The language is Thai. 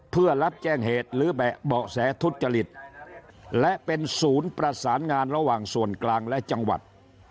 เพื่อรับแจ้งเหตุหรือเบาะแสทุจริตและเป็นศูนย์ประสานงานระหว่างส่วนกลางและจังหวัด